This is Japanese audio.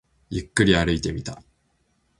ゆっくり歩いてみた